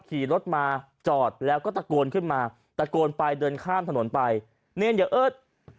ขี่รถมาจอดแล้วก็ตะโกนขึ้นมาตะโกนไปเดินข้ามถนนไปเนียนอย่าเอิด